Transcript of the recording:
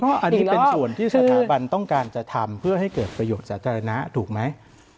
อันนี้เป็นส่วนที่สถาบันต้องการจะทำเพื่อให้เกิดประโยชน์สาธารณะถูกไหม